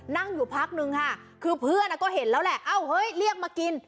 นั่งอยู่พักนึงค่ะคือเพื่อนก็เห็นแล้วแหละเอ้าเฮ้ยเรียกมากิน